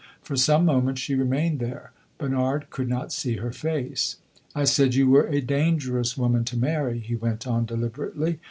For some moments she remained there. Bernard could not see her face. "I said you were a dangerous woman to marry," he went on deliberately.